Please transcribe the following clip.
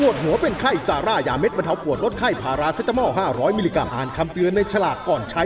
สวัสดีครับคุณผู้ชมครับ